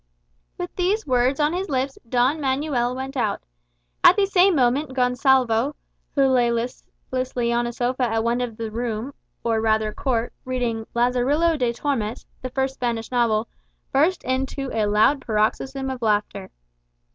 With these words on his lips, Don Manuel went out. At the same moment Gonsalvo, who lay listlessly on a sofa at one end of the room, or rather court, reading "Lazarillo de Tormes," the first Spanish novel, burst into a loud paroxysm of laughter.